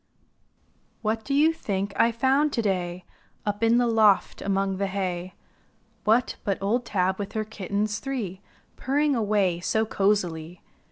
What do you think I found to day Up in the loft among the hay? What, but old Tab with her kittens three Purring away so cozily.